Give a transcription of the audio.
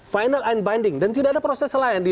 final line binding dan tidak ada proses lain di